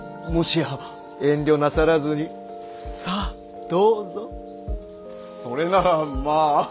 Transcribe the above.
遠慮なさらずにさあどうぞ。それならまあ。